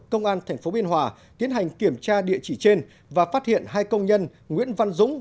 công an tp biên hòa tiến hành kiểm tra địa chỉ trên và phát hiện hai công nhân nguyễn văn dũng